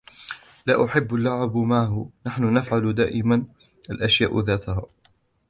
لا أحب اللعب معه. نحن نفعل دائماً الأشياء ذاتها.